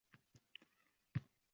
Otangga choʼp otsang